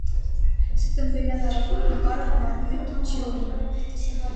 «Սեպտեմբերյան առավոտ» նկարը համարվում է կիտչի օրինակ։